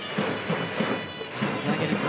つなげるか。